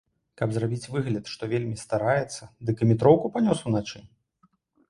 Каб зрабіць выгляд, што вельмі стараецца, дык і метроўку панёс уначы?